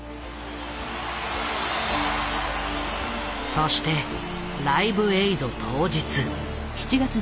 そして「ライブエイド」当日。